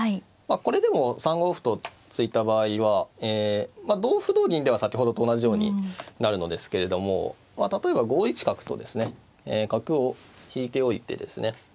これでも３五歩と突いた場合は同歩同銀では先ほどと同じようになるのですけれども例えば５一角とですね角を引いておいてですね